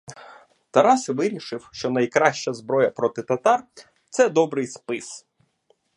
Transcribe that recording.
Тарас вирішив, що найкраща зброя проти татар — це добрий спис.